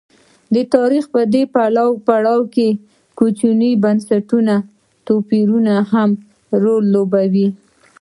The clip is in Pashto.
د تاریخ په دې پړاو کې کوچني بنسټي توپیرونه مهم رول لوبوي.